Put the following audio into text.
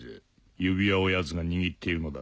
指輪をヤツが握っているのだ。